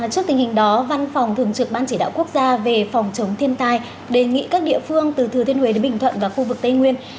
trước tình hình đó văn phòng thường trực ban chỉ đạo quốc gia về phòng chống thiên tai đề nghị các địa phương từ thừa thiên huế đến bình thuận và khu vực tây nguyên